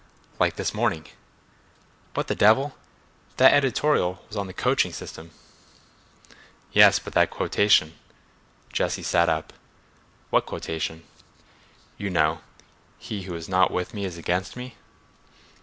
"Like this morning." "What the devil—that editorial was on the coaching system." "Yes, but that quotation—" Jesse sat up. "What quotation?" "You know: 'He who is not with me is against me.